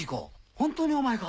本当にお前か？